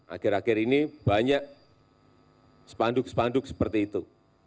akhir akhir ini banyak sepanduk sepanduk seperti itu